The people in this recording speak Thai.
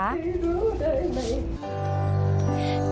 ไม่รู้ได้ไหม